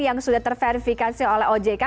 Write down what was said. yang sudah terverifikasi oleh ojk